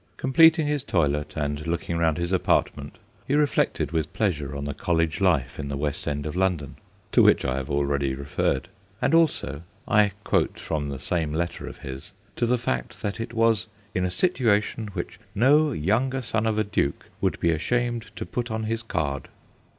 Complet ing his toilet and looking round his apart ment, he reflected with pleasure on the college life in the West End of London, to which I have already referred, and also I quote from the same letter of his to the fact that it was ' in a situation which no younger son of a duke would be ashamed to be put on his card.'